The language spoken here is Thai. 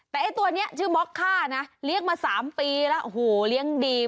แต่ไอ้ตัวนี้ชื่อม็อกค่านะเลี้ยงมา๓ปีแล้วโอ้โหเลี้ยงดี